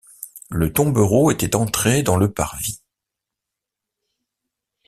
Le tombereau était entré dans le Parvis.